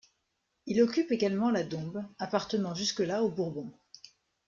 Il occupe également la Dombes appartenant jusque-là aux Bourbons.